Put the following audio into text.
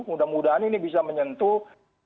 mudah mudahan ini bisa menyentuh